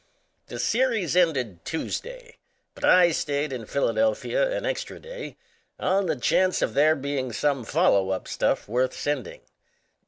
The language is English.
THE series ended Tuesday, but I had stayed in Philadelphia an extra day on the chance of there being some follow up stuff worth sending.